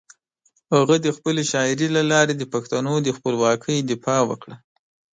هغه د خپلې شاعري له لارې د پښتنو د خپلواکۍ دفاع وکړه.